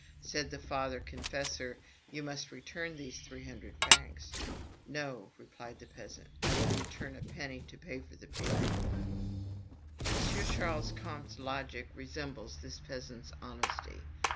Said the father confessor, "You must return these three hundred francs." "No," replied the peasant, "I will return a penny to pay for the paper." M. Ch. Comte's logic resembles this peasant's honesty.